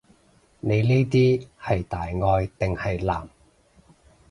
你呢啲係大愛定係濫？